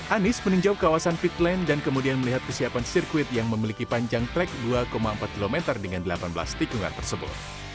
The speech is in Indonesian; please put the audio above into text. anies meninjau kawasan fitland dan kemudian melihat kesiapan sirkuit yang memiliki panjang track dua empat km dengan delapan belas tikungan tersebut